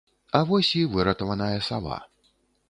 А вось і выратаваная сава.